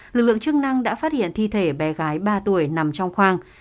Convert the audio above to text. lực lượng chức năng đã phát hiện thi thể bé gái ba tuổi nằm trong khoang